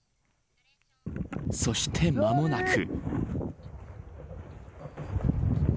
そして、間もなく。